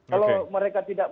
kalau mereka tidak